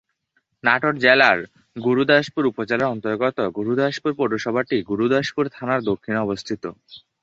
নাটোর জেলার গুরুদাসপুর উপজেলার অন্তর্গত গুরুদাসপুর পৌরসভাটি গুরুদাসপুর থানার দক্ষিণে অবস্থিত।